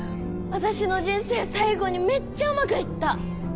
私の人生最後にめっちゃうまくいった。